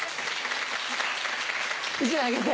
１枚あげて。